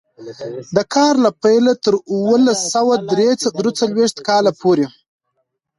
د کار له پیله تر اوولس سوه درې څلوېښت کاله پورې.